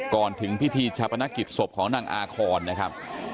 ก่อนถึงพิธีชาปนกิจศพของนางอาคอนนะครับ